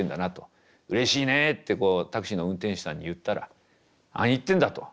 「うれしいねえ」ってこうタクシーの運転手さんに言ったら「何言ってんだ」と。